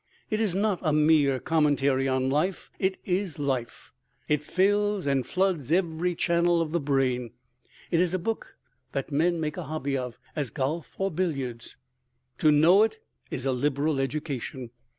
It is not a mere commentary on life: it is life it fills and floods every channel of the brain. It is a book that men make a hobby of, as golf or billiards. To know it is a liberal education.